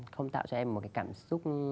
không tạo cho em một cái cảm xúc